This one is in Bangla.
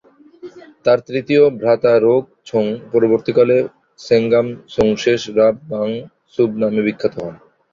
তার তৃতীয় ভ্রাতা রোগ-ছুং পরবর্তীকালে স্গোম-ছুং-শেস-রাব-ব্যাং-ছুব নামে বিখ্যাত হন।